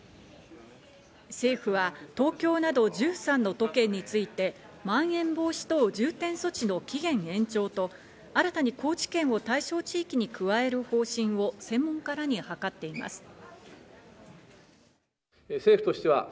政府は東京など１３の都県についてまん延防止等重点措置の期限延長と新たに高知県を対象地域に加える方針を専門家らに諮っています。